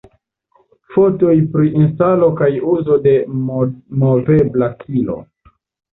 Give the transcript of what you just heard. Fotoj pri instalo kaj uzo de "movebla kilo"